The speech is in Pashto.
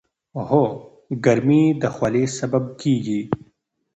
هو، ګرمي د خولې سبب کېږي.